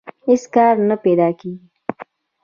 هېڅ کار نه پیدا کېږي